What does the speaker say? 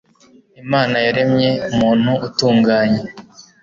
imana yaremye umuntu utunganye